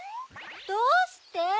どうして？